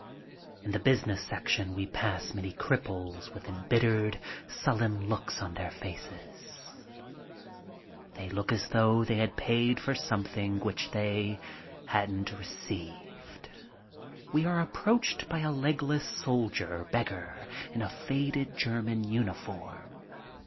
In the business section we pass many cripples with embit tered, sullen looks on their faces. They look as though they had paid for something which they hadn't received. We are approached by a legless soldier beggar in a faded German uniform.